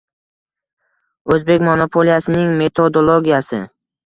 O'zbek monopoliyasining metodologiyasi